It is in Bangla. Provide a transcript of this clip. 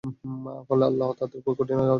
ফলে আল্লাহ তাদের উপর কঠিন আযাব নাযিল করেন।